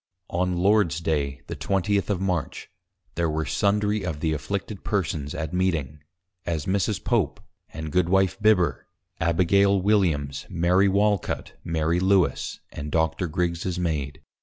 On Lords Day, the Twentieth of March, there were sundry of the afflicted Persons at Meeting, as Mrs. Pope, and Goodwife Bibber, Abigail Williams, Mary Walcut, Mary Lewes, and Doctor Grigg's Maid.